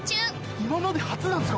今まで初なんですか？